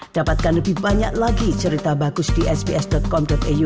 dapatkan lebih banyak lagi cerita bagus di sps com iu